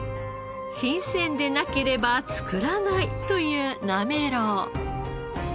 新鮮でなければ作らないというなめろう。